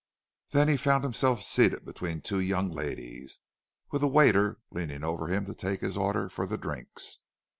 Then he found himself seated between two young ladies, with a waiter leaning over him to take his order for the drinks.